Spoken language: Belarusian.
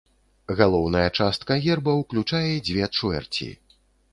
Галоўная частка герба ўключае дзве чвэрці.